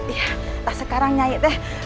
ya nah sekarang nyanyi teh